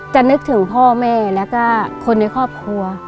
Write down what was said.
นึกถึงพ่อแม่แล้วก็คนในครอบครัว